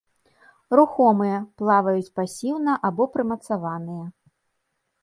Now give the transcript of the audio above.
Рухомыя, плаваюць пасіўна або прымацаваныя.